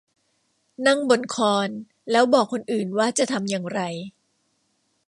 นั่งบนคอนแล้วบอกคนอื่นว่าจะทำอย่างไร